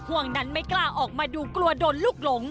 ห่วงนั้นไม่กล้าออกมาดูกลัวโดนลูกหลง